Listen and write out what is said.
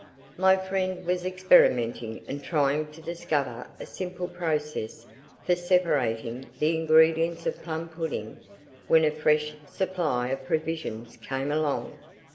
My friend was experimenting and trying to discover a simple process for separating the ingredients of plum pudding when a fresh supply of provisions came along.